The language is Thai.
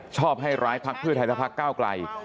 ชอบให้ร้ายพรรคเพื่อไทยทะพะก้าวกลาย